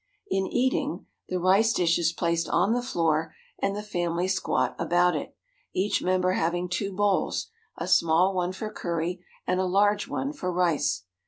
In eating, the rice dish is placed on the floor, and the family squat about it, each member having two bowls, a small one for curry, and a large one for rice.